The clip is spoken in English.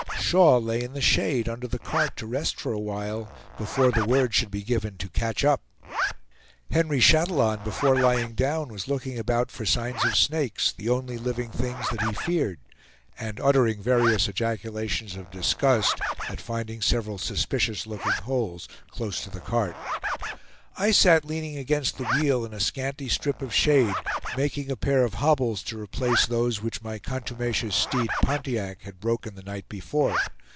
Shaw lay in the shade, under the cart, to rest for a while, before the word should be given to "catch up." Henry Chatillon, before lying down, was looking about for signs of snakes, the only living things that he feared, and uttering various ejaculations of disgust, at finding several suspicious looking holes close to the cart. I sat leaning against the wheel in a scanty strip of shade, making a pair of hobbles to replace those which my contumacious steed Pontiac had broken the night before.